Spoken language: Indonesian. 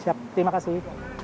siap terima kasih